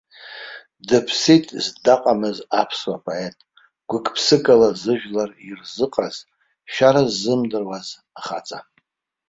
Дыԥсит здаҟамыз аԥсуа поет, гәык-ԥсыкала зыжәлар ирзыҟаз, шәара ззымдыруаз ахаҵа!